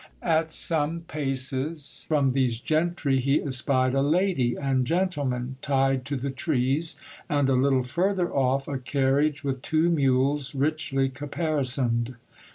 At some paces from these gentry, he espied a lady and gentleman tied to the trees, and a little further off, a carriage with two mules richly caparisoned.